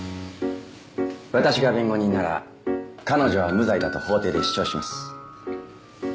私が弁護人なら彼女は無罪だと法廷で主張します。